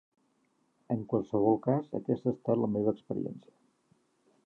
En qualsevol cas, aquesta ha estat la meva experiència.